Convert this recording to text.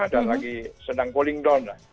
dan lagi sedang cooling down lah